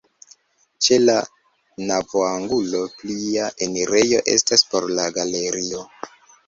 Ĉe la navoangulo plia enirejo estas por la galerio.